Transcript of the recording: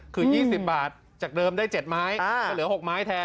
คือ๒๐บาทจากเดิมได้๗ไม้ก็เหลือ๖ไม้แทน